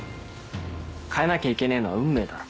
変えなきゃいけねえのは運命だろ？